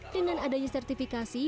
dengan adanya sertifikasi